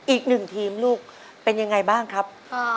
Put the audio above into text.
อีกหนึ่งทีมลูกเป็นยังไงบ้างครับ